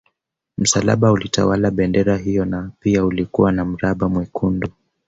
Msalaba ulitawala bendera hiyo na pia ulikuwa na mraba mwekundu